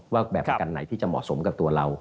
ว่าแบบประกันไหนที่จะเหมาะสมกับตัวเรา